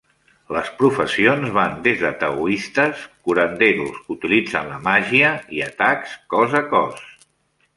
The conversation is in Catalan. Les professions van des de taoistes, curanderos que utilitzen la màgia i atacs cos a cos.